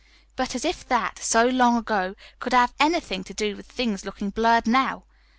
But as if that, so long ago, could have anything to do with things looking blurred now!